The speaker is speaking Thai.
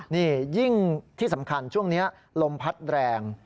นี่ยิ่งที่สำคัญช่วงนี้ลมพัดแรง